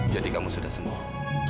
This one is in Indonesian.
jadi kamu sudah sembuh